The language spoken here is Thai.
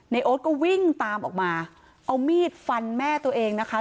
โอ๊ตก็วิ่งตามออกมาเอามีดฟันแม่ตัวเองนะคะ